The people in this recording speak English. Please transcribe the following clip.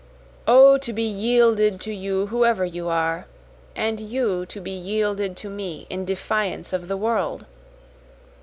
O to be yielded to you whoever you are, and you to be yielded to me in defiance of the world!